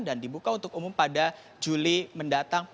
dibuka untuk umum pada juli mendatang